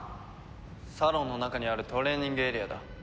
サロンの中にあるトレーニングエリアだ。